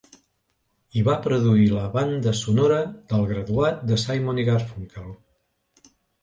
I va produir la banda sonora d'"El Graduat", de Simon i Garfunkel.